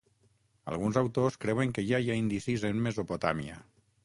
Alguns autors creuen que ja hi ha indicis en Mesopotàmia.